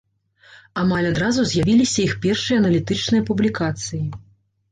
Амаль адразу з'явіліся іх першыя аналітычныя публікацыі.